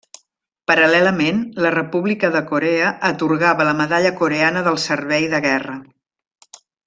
Paral·lelament, la República de Corea atorgava la Medalla Coreana del Servei de Guerra.